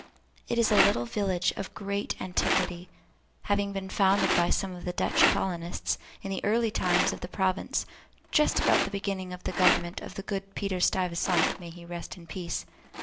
It is a little village of great antiquity, having been founded by some of the Dutch colonists, in the early times of the province, just about the beginning of the government of the good Peter Stuyvesant (may he rest in peace!)